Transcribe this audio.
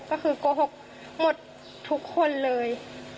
ก็คือโกหกหมดทุกคนเลย